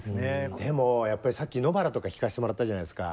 でもさっき「野ばら」とか聴かしてもらったじゃないですか。